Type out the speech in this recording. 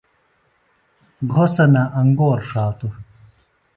گھوسنہ انگور ݜاتوۡ۔